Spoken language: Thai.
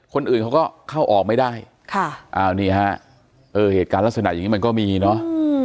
คนอื่นเขาก็เข้าออกไม่ได้ค่ะอ้าวนี่ฮะเออเหตุการณ์ลักษณะอย่างนี้มันก็มีเนอะ